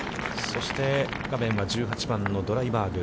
そして画面は１８番のドライバーグ。